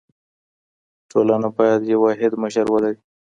ټولنه باید یو واحد مشر ولري.